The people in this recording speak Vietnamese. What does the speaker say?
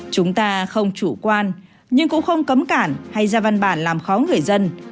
chúng ta không chủ quan nhưng cũng không cấm cản hay ra văn bản làm khó người dân